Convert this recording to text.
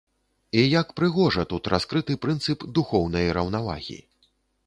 І як прыгожа тут раскрыты прынцып духоўнай раўнавагі!